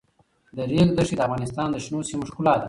د ریګ دښتې د افغانستان د شنو سیمو ښکلا ده.